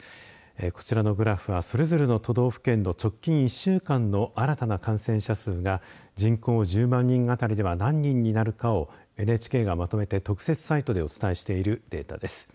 こちらのグラフはそれぞれの都道府県の直近１週間の新たな感染者数が人口１０万人当たりでは何人になるかをＮＨＫでまとめて特設サイトでお伝えしているデータです。